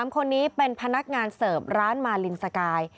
๓คนนี้เป็นพนักงานเสิร์ฟร้านมาลินสกาย